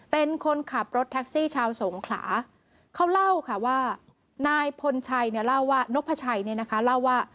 เป็นคนขับรถแท็กซี่ชาวสงขลาเขาเล่าค่ะว่านายพลชัยเนี่ยเล่าว่านกพระชัยเนี่ยนะคะเล่าว่า